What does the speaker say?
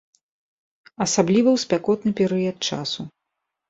Асабліва ў спякотны перыяд часу.